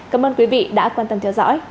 cảm ơn quý vị đã quan tâm theo dõi